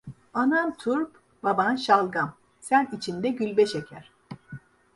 Anan turp, baban şalgam, sen içinde gülbe şeker.